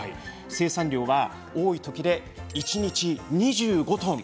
生産量は多い時で、一日２５トン。